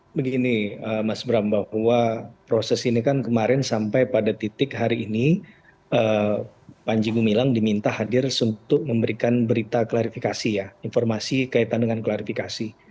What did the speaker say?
begini mas bram bahwa proses ini kan kemarin sampai pada titik hari ini panji gumilang diminta hadir untuk memberikan berita klarifikasi ya informasi kaitan dengan klarifikasi